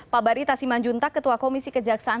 pak bari tasiman juntak ketua komisi kejaksaan